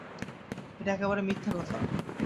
এটা একেবারে মিথ্যে কথা।